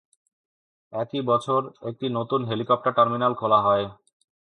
একই বছর একটি নতুন হেলিকপ্টার টার্মিনাল খোলা হয়।